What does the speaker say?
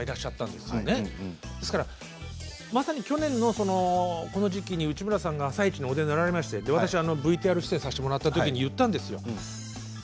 ですからまさに去年のこの時期に、内村さんが「あさイチ」にお出になられてＶＴＲ出演させていただいたとき言ったんですよ。